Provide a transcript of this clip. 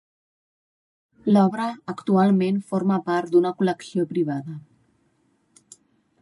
L'obra actualment forma part d'una col·lecció privada.